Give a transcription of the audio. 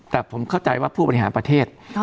แต่ผมเข้าใจว่าผู้บริหารประเทศ